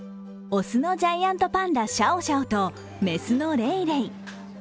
雄のジャイアントパンダシャオシャオと雌のレイレイ。